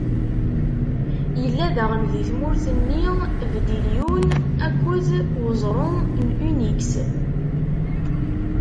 Illa daɣen di tmurt-nni, bdilyum akked uẓru n Unix.